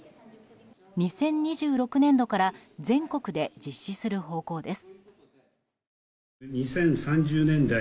２０２６年度から全国で実施する方向です。